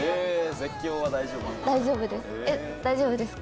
大丈夫です。